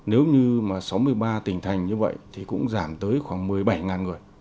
nếu như mà sáu mươi ba tỉnh thành như vậy thì cũng giảm tới khoảng một mươi bảy người